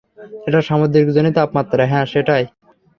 একটা সামুদ্রিক জোনে তাপমাত্রা হ্যাঁ, সেটাই।